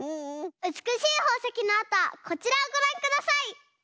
うつくしいほうせきのあとはこちらをごらんください。